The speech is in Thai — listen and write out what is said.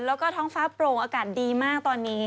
แล้วก็ท้องฟ้าโปร่งอากาศดีมากตอนนี้